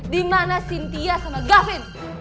dimana sintia sama gafi